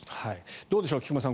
どうでしょう、菊間さん